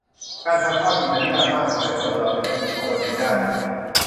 การทำข้าวกินนั้นยากมาก ทำไมคนเราถึงมากินของแบบนี้ได้